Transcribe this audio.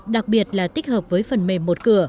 đặc biệt là tích hợp với phần mềm một cửa